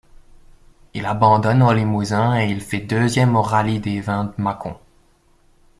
Il abandonne au Limousin et il fait deuxième au rallye des Vins de Macon.